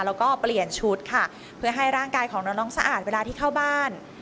แล้วก็เปลี่ยนชุดค่ะเพื่อให้ร่างกายของน้องสะอาดเวลาที่เข้าบ้าน